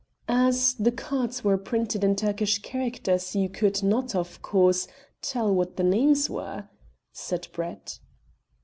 "As the cards were printed in Turkish characters you could not, of course, tell what the names were," said Brett.